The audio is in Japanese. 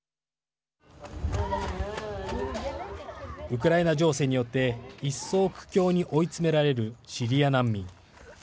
ウクライナ情勢によって一層、苦境に追い詰められるシリア難民。